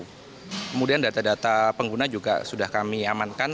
kemudian data data pengguna juga sudah kami amankan